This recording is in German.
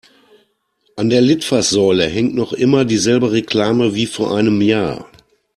An der Litfaßsäule hängt noch immer dieselbe Reklame wie vor einem Jahr.